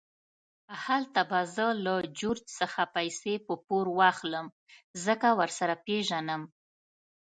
هلته به زه له جورج څخه پیسې په پور واخلم، ځکه ورسره پېژنم.